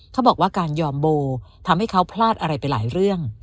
เขาบอกว่าการยอมโบทำให้เขาพลาดอะไรไปหลายเรื่อง